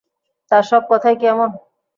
তার সব কথাই কি এমন?